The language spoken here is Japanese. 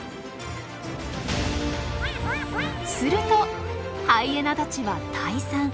するとハイエナたちは退散。